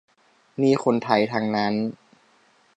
นี่คนไทยทั้งนั้น